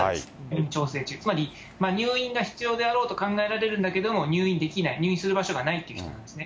つまり、入院が必要であろうと考えられるんだけども、入院できない、入院する場所がないという人なんですね。